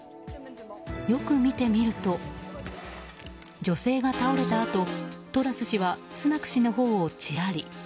よく見てみると女性が倒れたあとトラス氏はスナク氏のほうをチラリ。